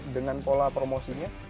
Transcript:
dengan pola promosinya